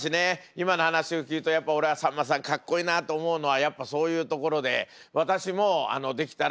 今の話を聞くとやっぱ俺はさんまさんかっこいいなと思うのはやっぱそういうところで私もできたら番組中に死にたい。